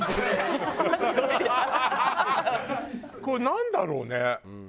これなんだろうね。